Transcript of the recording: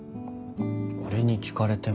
俺に聞かれても。